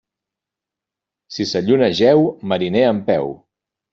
Si sa lluna jeu, mariner en peu.